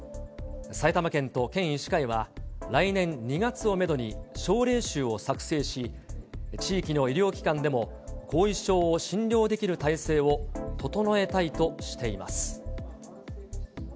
埼玉県と県医師会は来年２月をメドに症例集を作成し、地域の医療機関でも後遺症を診療できる体制を整えたいとしています。